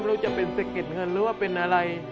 มันก็จะเป็นเศรษฐกิจกันหรือว่าเป็นอะไร